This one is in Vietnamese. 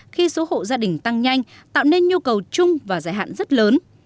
khi số hộ gia đình tăng nhanh tạo nên nhu cầu chung và giải hạn rất lớn